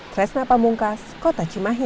tresna pamungkas kota cimahi